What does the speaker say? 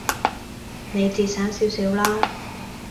你節省少少啦